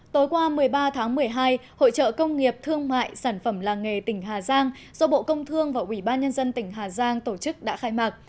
tối qua một mươi ba tháng một mươi hai hội trợ công nghiệp thương mại sản phẩm làng nghề tỉnh hà giang do bộ công thương và ủy ban nhân dân tỉnh hà giang tổ chức đã khai mạc